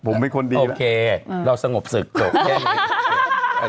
ผมเป็นคนดีแล้วโอเคเราสงบศึกโอเค